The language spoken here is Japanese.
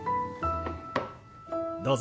どうぞ。